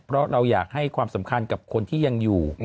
เพราะเราอยากให้ความสำคัญกับคนที่ยังอยู่